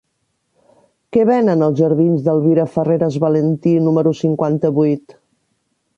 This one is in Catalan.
Què venen a la jardins d'Elvira Farreras Valentí número cinquanta-vuit?